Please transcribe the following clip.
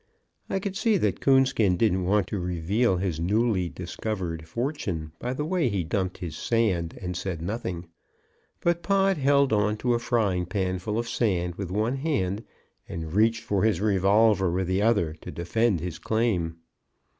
I could see that Coonskin didn't want to reveal his newly discovered fortune by the way he dumped his sand and said nothing. But Pod held on to a frying pan full of sand with one hand, and reached for his revolver with the other to defend his claim.